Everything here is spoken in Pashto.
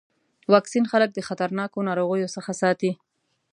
واکسین خلک د خطرناکو ناروغیو څخه ساتي.